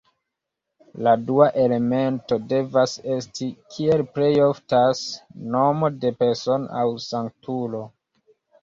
La dua elemento devas esti, kiel plej oftas, nomo de persono aŭ sanktulo.